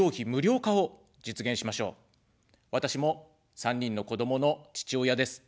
私も３人の子どもの父親です。